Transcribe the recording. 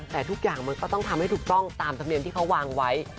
แต่ทุกอย่างมันก็ต้องทำให้ถูกต้องตามธรรมเนียมที่เขาวางไว้